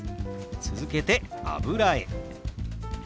続けて「油絵」。